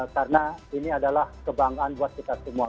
karena ini adalah kebanggaan buat kita semua